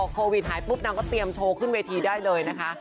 โควิดหายปุ๊บนางก็เตรียมโชว์ขึ้นเวทีได้เลยนะคะ